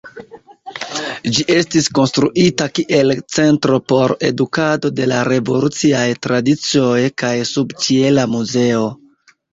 Ĝi estis konstruita kiel centro por edukado de la revoluciaj tradicioj kaj subĉiela muzeo.